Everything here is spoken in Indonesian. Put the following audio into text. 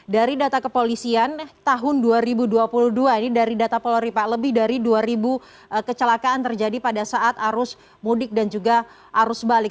dari data kepolisian tahun dua ribu dua puluh dua ini dari data polri pak lebih dari dua ribu kecelakaan terjadi pada saat arus mudik dan juga arus balik